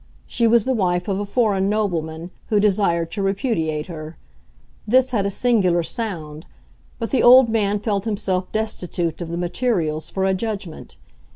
She was the wife of a foreign nobleman who desired to repudiate her. This had a singular sound, but the old man felt himself destitute of the materials for a judgment.